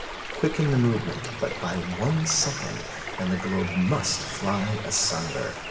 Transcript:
Quicken the movement but by one second and the globe must fly asunder.